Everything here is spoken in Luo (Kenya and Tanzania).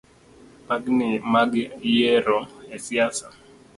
Bagni mag yiero esiasa